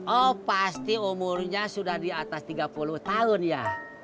oh pasti umurnya sudah di atas tiga puluh tahun ya